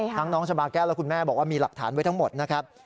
น้องชาบาแก้วและคุณแม่บอกว่ามีหลักฐานไว้ทั้งหมดนะครับ